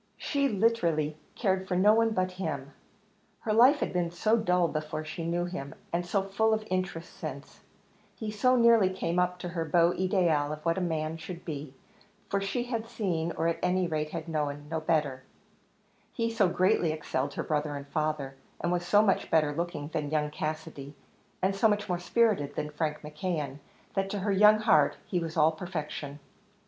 She literally cared for no one but him; her life had been so dull before she knew him, and so full of interest since he so nearly came up to her beau ideal of what a man should be, for she had seen, or at any rate had known, no better he so greatly excelled her brother and father, and was so much better looking than young Cassidy, and so much more spirited than Frank McKeon, that to her young heart he was all perfection.